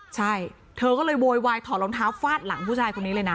ใช่เธอก็เลยโวยวายถอดรองเท้าฟาดหลังผู้ชายคนนี้เลยนะ